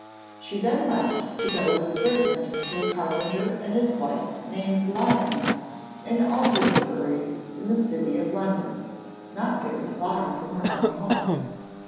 She then left to go as servant to a carpenter and his wife named Lyon, in Aldermanbury in the City of London, not very far from her own home.